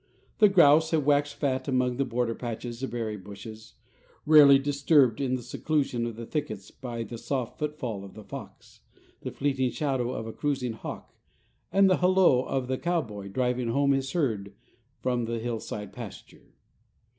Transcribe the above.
The grouse have waxed fat among the border patches of berry bushes, rarely disturbed in the seclusion of the thickets but by the soft footfall of the fox, the fleeting shadow of a cruising hawk, and the halloo of the cowboy driving home his herd from the hillside pasture.